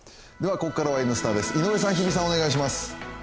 ここからは「Ｎスタ」です、井上さん、日比さん